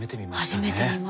初めて見ました。